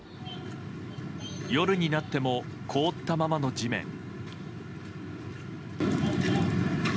夜になっても凍ったままの地面。